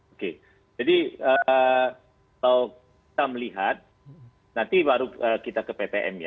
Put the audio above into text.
oke jadi kalau kita melihat nanti baru kita ke ppm ya